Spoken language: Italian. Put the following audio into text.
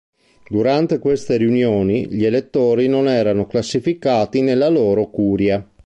Durante queste riunioni, gli elettori non erano classificati nella loro "curia".